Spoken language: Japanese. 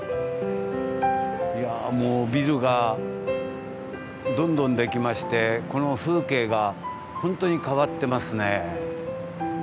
いやもうビルがどんどんできましてこの風景がホントに変わってますね。